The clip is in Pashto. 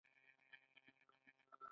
دا وطن به جوړیږي.